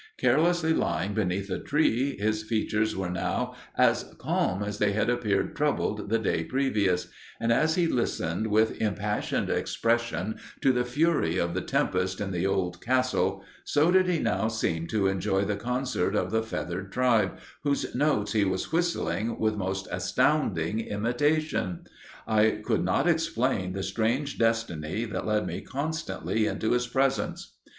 Carelessly lying beneath a tree, his features were now as calm as they had appeared troubled the day previous, and as he listened with impassioned expression to the fury of the tempest in the old castle, so did he now seem to enjoy the concert of the feathered tribe, whose notes he was whistling with most astounding imitation. I could not explain the strange destiny that led me constantly into his presence.